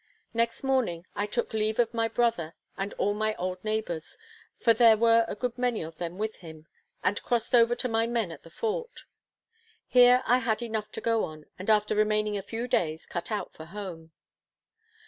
Next morning, I took leave of my brother and all my old neighbours, for there were a good many of them with him, and crossed over to my men at the fort. Here I had enough to go on, and after remaining a few days, cut out for home.